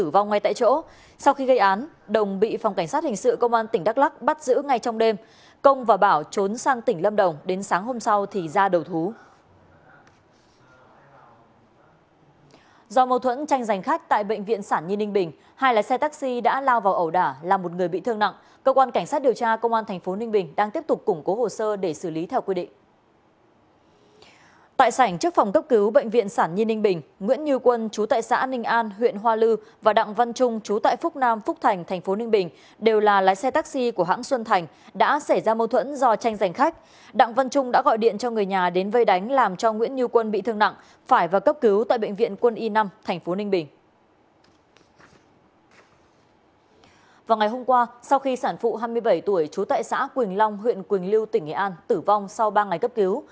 và ngày hôm qua sau khi sản phụ hai mươi bảy tuổi chú tại xã quỳnh long huyện quỳnh lưu tỉnh nghệ an tử vong sau ba ngày cấp cứu